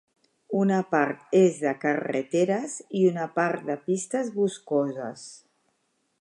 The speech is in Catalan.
Una part és de carreteres i una part de pistes boscoses.